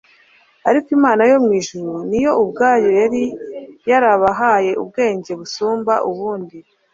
ariko Imana yo mu ijuru ni yo ubwayo yari yarabahaye ubwenge busumba ubundi.